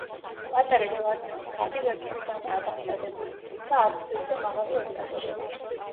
პატარა ჯვარცმის ხატი ვერცხლისგანაა დამზადებული, თუმცა არც თუ ისე მაღალი ოსტატობით.